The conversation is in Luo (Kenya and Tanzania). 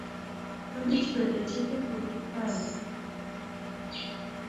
kabich bende chiek e puothu kare